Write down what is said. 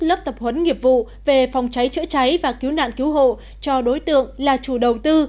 lớp tập huấn nghiệp vụ về phòng cháy chữa cháy và cứu nạn cứu hộ cho đối tượng là chủ đầu tư